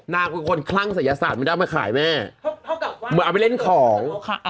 นางเป็นคนคลั่งศัยศาสตร์ไม่ได้เอามาขายแม่เหมือนเอาไปเล่นของ